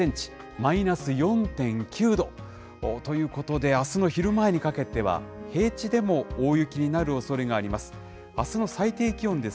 マイナス４．９度ということで、あすの昼前にかけては、平地でも大雪になるおそれがあります。